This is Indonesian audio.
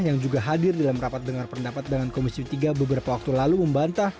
yang juga hadir dalam rapat dengar pendapat dengan komisi tiga beberapa waktu lalu membantah